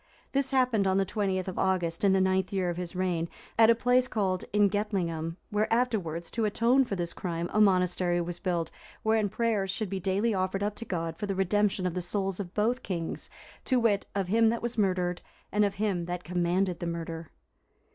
This happened on the 20th of August, in the ninth year of his reign, at a place called Ingetlingum, where afterwards, to atone for this crime, a monastery was built,(363) wherein prayers should be daily offered up to God for the redemption of the souls of both kings, to wit, of him that was murdered, and of him that commanded the murder.